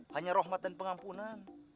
hanya rohmat dan pengampunan